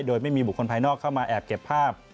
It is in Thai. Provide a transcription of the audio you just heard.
โดยไม่มีบุคคลภายนอกเข้ามาแอบเก็บภาพ